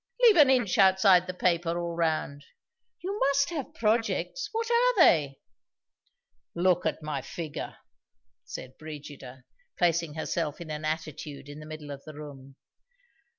(Leave an inch outside the paper, all round.) You must have projects? What are they?" "Look at my figure," said Brigida, placing herself in an attitude in the middle of the room.